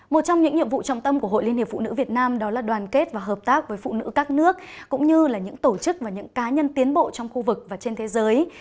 một trong những nhiệm vụ trọng tâm của hội liên hiệp phụ nữ việt nam đó là đoàn kết và hợp tác với phụ nữ các nước cũng như là những tổ chức và những cá nhân tiến bộ trong khu vực và trên thế giới